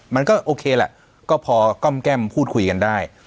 มันก็โอเคพอก้มแจ้มพูดคุยกันได้